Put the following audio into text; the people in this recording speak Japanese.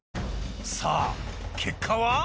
さぁ結果は！？